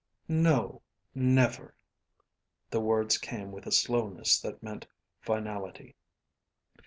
"No, never." The words came with a slowness that meant finality.